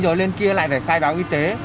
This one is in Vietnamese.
rồi lên kia lại phải khai báo y tế